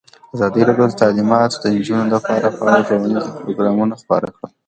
ازادي راډیو د تعلیمات د نجونو لپاره په اړه ښوونیز پروګرامونه خپاره کړي.